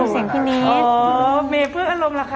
เสียงพี่มีดอ๋อมีเพิ่งอารมณ์เหรอคะ